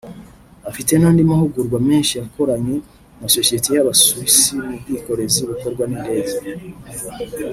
Afite n’andi mahugurwa menshi yaranakoranye n’isosiyete y’Abasuwisi mu by’ubwikorezi bukorwa n’indege